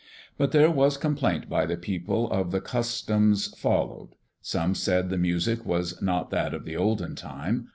But there was complaint by the people of the customs followed. Some said the music was not that of the olden time.